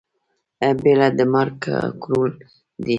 بيره د مرگ کرول دي.